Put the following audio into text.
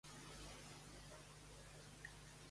Quants són destinats a Catalunya, que han tret pitjor nota?